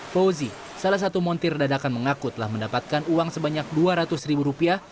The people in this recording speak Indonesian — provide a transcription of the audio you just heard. fauzi salah satu montir dadakan mengaku telah mendapatkan uang sebanyak dua ratus ribu rupiah